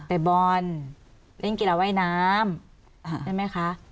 บอลเล่นกีฬาว่ายน้ำใช่ไหมคะ